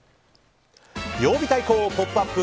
曜日対抗「ポップＵＰ！」